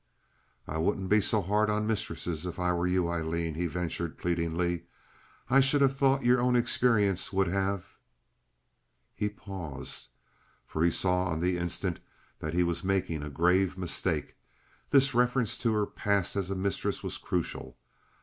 "I wouldn't be so hard on mistresses if I were you, Aileen," he ventured, pleadingly. "I should have thought your own experience would have—" He paused, for he saw on the instant that he was making a grave mistake. This reference to her past as a mistress was crucial.